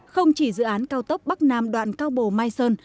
không chỉ dự án cao tốc bắc nam đoạn cao bồ mai sơn